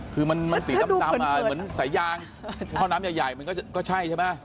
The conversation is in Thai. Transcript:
คือมันสีดำเหมือนสายยางท่อน้ำใหญ่มันก็ใช่ใช่ไหม